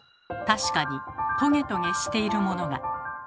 確かにトゲトゲしているものが。